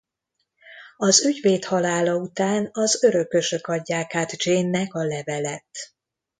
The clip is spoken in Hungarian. Az ügyvéd halála után az örökösök adják át Jeanne-nak a levelet.